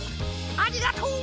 ありがとう。